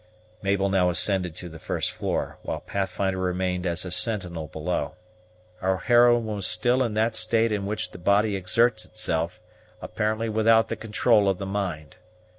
Mabel now ascended to the first floor, while Pathfinder remained as a sentinel below. Our heroine was in that state in which the body exerts itself, apparently without the control of the mind.